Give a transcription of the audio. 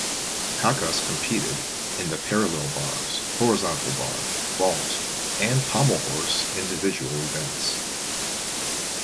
Kakas competed in the parallel bars, horizontal bar, vault, and pommel horse individual events.